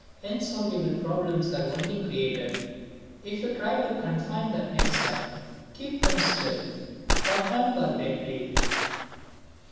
Insoluble problems are only created if you try to confine them inside, keep them still or hamper their play.